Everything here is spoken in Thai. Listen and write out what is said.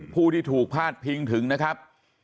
ผู้ที่ถูกพาดพิงถึงนะครับ